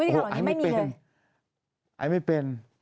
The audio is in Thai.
พูดจากตอนนี้ไม่มีเลย